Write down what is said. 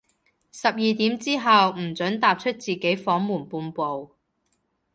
十二點之後，唔准踏出自己房門半步